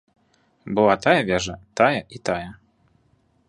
Была тая вежа, тая і тая.